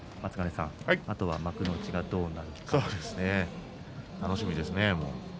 あとは幕内がどうなるか楽しみですね。